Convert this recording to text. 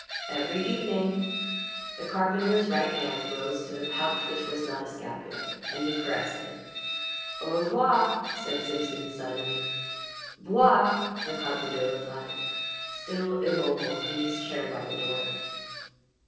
"Every evening." The carpenter's right hand rose to the pouch which was not a scapular and he caressed it. "Au revoir," said Simpson suddenly. "'Voir," the carpenter replied, still immobile in his chair by the door.